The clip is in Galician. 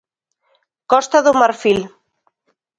Costa do Marfil.